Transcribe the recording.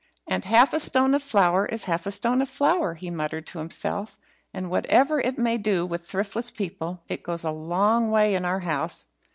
"And half a stone of flour is half a stone of flour," he muttered to himself, "and whatever it may do with thriftless people, it goes a long way in our house.